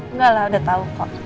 enggak lah udah tau kok